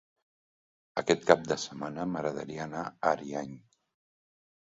Aquest cap de setmana m'agradaria anar a Ariany.